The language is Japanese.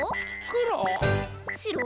くろ？